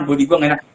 bodi gue gak enak